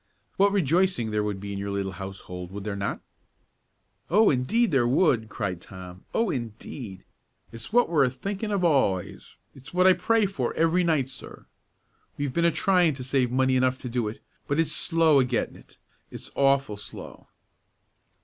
What rejoicing there would be in your little household, would there not?" "Oh, indeed there would!" cried Tom, "oh, indeed! It's what we're a thinkin' of al'ays; it's what I pray for every night, sir. We've been a tryin' to save money enough to do it, but it's slow a gettin' it, it's awful slow."